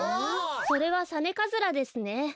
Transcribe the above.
それはサネカズラですね。